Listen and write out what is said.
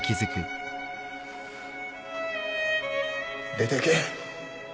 出てけ